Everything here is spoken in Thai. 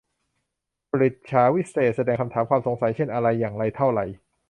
ปฤจฉาวิเศษณ์ แสดงคำถาม ความสงสัย เช่น อะไร อย่างไร เท่าไร